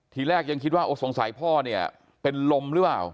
ทีแรกยังคิดว่าสงสัยพ่อเนี่ยเป็นลมหรือเปล่า